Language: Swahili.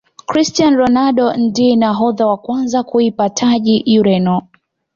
cristiano ronaldo ndiye nahodha wa kwanza kuipa taji Ureno